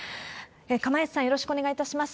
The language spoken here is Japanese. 釜萢さん、よろしくお願いいたします。